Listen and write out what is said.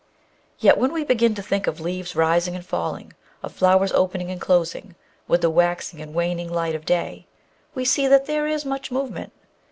Yet when we begin to think of leaves rising and falling, of flowers opening and closing with the waxing and waning light of day, we see that there is much movement.